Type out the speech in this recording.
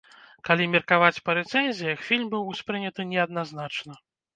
Калі меркаваць па рэцэнзіях, фільм быў успрыняты неадназначна.